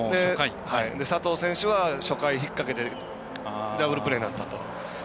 佐藤選手は初回引っ掛けてダブルプレーになったと。